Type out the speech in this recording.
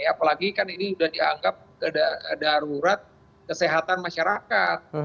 apalagi kan ini sudah dianggap darurat kesehatan masyarakat